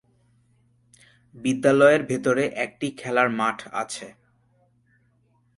বিদ্যালয়ের ভেতরে একটি খেলার মাঠ আছে।